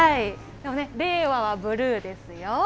でもね、令和はブルーですよ。